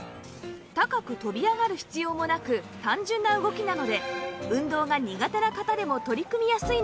高く跳び上がる必要もなく単純な動きなので運動が苦手な方でも取り組みやすいのが魅力